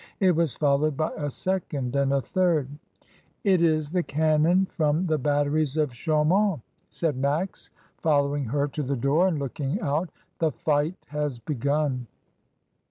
It was followed by a second and a third. "It is the cannon from the Batteries of Chaumont," said Max, following her to the door and looking out; "the fight has begun."